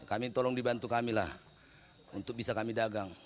kami tolong dibantu kami lah untuk bisa kami dagang